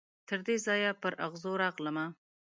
تر دغه ځایه پر اغزو راغلمه